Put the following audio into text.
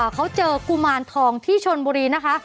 เขาเจอกุมารทองที่ชนบุรีนะคะ